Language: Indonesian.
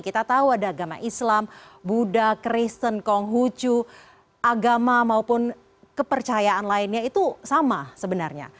kita tahu ada agama islam buddha kristen konghucu agama maupun kepercayaan lainnya itu sama sebenarnya